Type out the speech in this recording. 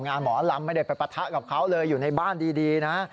หมอลำไม่ได้ไปปะทะกับเขาเลยอยู่ในบ้านดีนะ